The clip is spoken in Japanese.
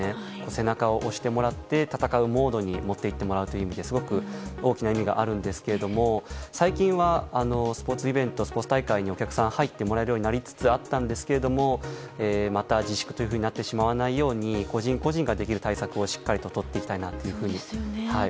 背中を押してもらって戦うモードに持っていってもらうという意味ですごく大きな意味があるんですが最近はスポーツイベントスポーツ大会にお客さんが入ってもらえるようになりつつありましたがまた自粛となってしまわないように個人個人ができる対策をしっかりととっていきたいなと思います。